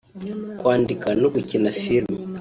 kwandika no gukina filime